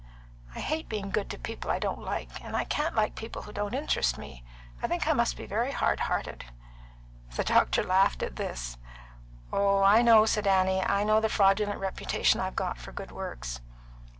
I hate being good to people I don't like, and I can't like people who don't interest me. I think I must be very hard hearted." The doctor laughed at this. "Oh, I know," said Annie, "I know the fraudulent reputation I've got for good works."